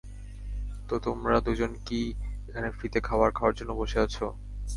তো তোমরা দুজন কি এখানে ফ্রিতে খাবার খাওয়ার জন্য বসে আছো?